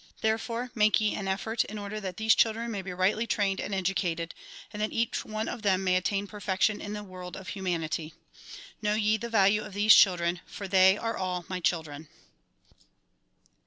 Therefore make ye an effort in order that these children may be rightly trained and educated and that each one of them may attain perfection in the world of humanity. Know ye the value of these children for they are all my children.